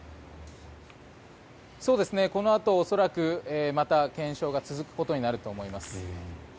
このあと恐らくまた検証が続くことになると思います。